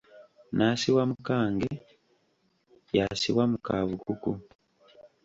N'asiwa mu kange, y'asiwa mu ka bukuku.